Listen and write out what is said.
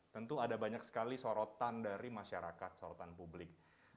tentu ada banyak sekali sorotan dari masyarakat sorotan publik